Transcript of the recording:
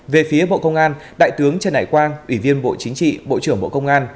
về phía bộ công an đại tướng trần hải quang ủy viên bộ chính trị bộ trưởng bộ công an